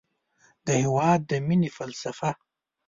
د هېواد د مینې فلسفه